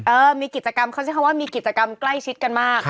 มีกิจกรรมเขาใช้คำว่ามีกิจกรรมใกล้ชิดกันมาก